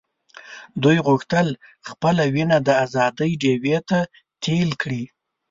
دوی غوښتل خپله وینه د آزادۍ ډیوې ته تېل کړي.